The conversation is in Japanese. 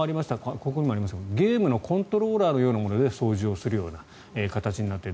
ここにもありますがゲームのコントローラーのようなもので操縦する形になっている。